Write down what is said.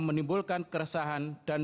menimbulkan keresahan dan